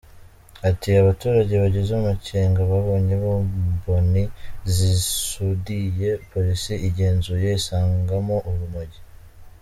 Ati “Abaturage bagize amakenga babonye bomboni zisudiye, polisi igenzuye isangamo urumogi.